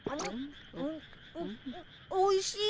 おいしいね